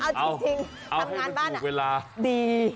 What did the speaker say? จริงทำงานบ้านดี